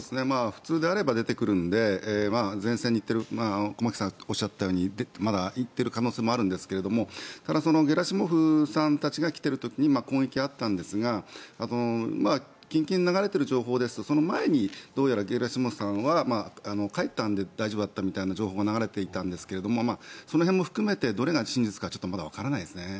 普通であれば出てくるので駒木さんがおっしゃっているようにまだ行っている可能性もあるんですがゲラシモフさんが来ている時に攻撃があったんですが近々、流れている情報ですとその前にどうやらゲラシモフさんは帰ったので大丈夫だったという情報が流れていたんですがその辺も含めてどれが真実かまだわからないですね。